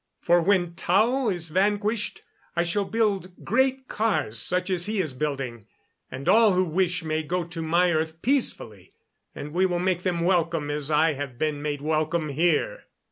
For when Tao is vanquished I shall build great cars such as he is building, and all who wish may go to my earth peacefully, and we will make them welcome as I have been made welcome here."